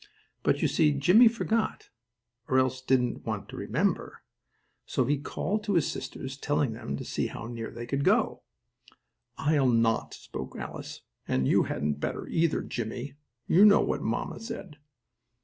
But, you see, Jimmie forgot, or else didn't want to remember, so he called to his sisters, telling them to see how near they could go. "I'll not," spoke Alice. "And you hadn't better either, Jimmie. You know what mamma said."